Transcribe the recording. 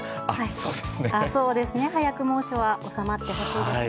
そうですね、早く猛暑は収まってほしいですね。